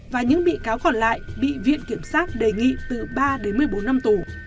và những bị cáo còn lại bị viện kiểm sát đề nghị từ ba đến một mươi bốn năm tù